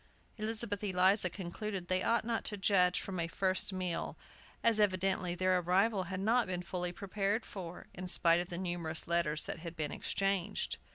Elizabeth Eliza concluded they ought not to judge from a first meal, as evidently their arrival had not been fully prepared for, in spite of the numerous letters that had been exchanged.